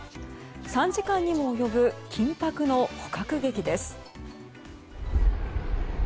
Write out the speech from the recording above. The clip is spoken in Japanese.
３時間にも及ぶ緊迫の捕獲劇です。